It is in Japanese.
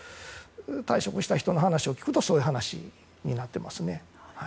退職した人の話を聞くとそういう話になってますね。